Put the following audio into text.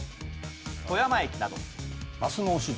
富山駅など。